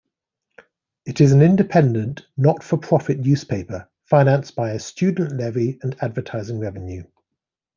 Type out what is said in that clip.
It is an independent, not-for-profit newspaper financed by a student levy and advertising revenue.